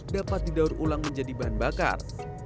dapat didaur ulang menjadi bahan bakar